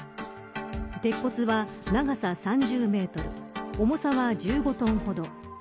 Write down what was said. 鉄骨は長さ３０メートル重さは１５トンほど。